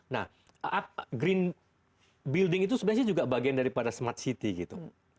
nah green building itu sebenarnya juga bagian daripada smart city gitu